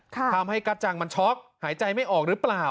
ทำให้กระจังมันช็อกหายใจไม่ออกหรือเปล่า